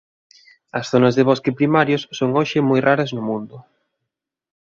As zonas de bosques primarios son hoxe moi raras no mundo.